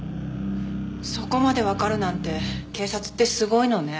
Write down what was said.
そこまでわかるなんて警察ってすごいのね。